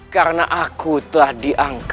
karena aku telah diangkat